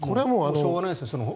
しょうがないんですか